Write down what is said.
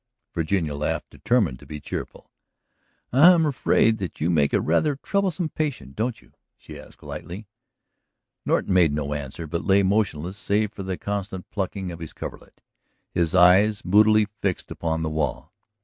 Virginia laughed, determined to be cheerful. "I am afraid that you make a rather troublesome patient, don't you?" she asked lightly. Norton made no answer but lay motionless save for the constant plucking at his coverlet, his eyes moodily fixed upon the wall.